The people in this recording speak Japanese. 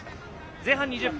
前半２０分。